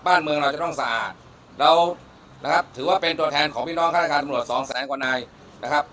บ้านเมืองเราจะต้องสะอาดเรานะครับถือว่าเป็นตัวแทนของพี่น้องฆาตการตำรวจสองแสนกว่านายนะครับ